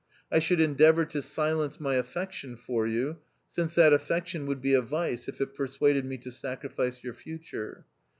1 should endeavour to silence my affection for you since that affection would be a vice if it persuaded me to sacrifice your future.